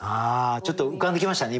ちょっと浮かんできましたね